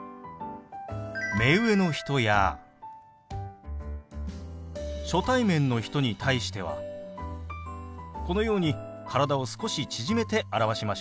目上の人や初対面の人に対してはこのように体を少し縮めて表しましょう。